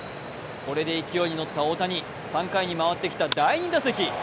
これで勢いにのった大谷、３回に回ってきた第２打席。